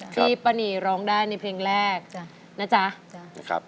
ที่ป้านีร้องได้ในเพลงแรกจ้ะนะจ๊ะ